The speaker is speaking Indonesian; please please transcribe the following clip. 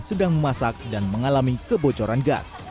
sedang memasak dan mengalami kebocoran gas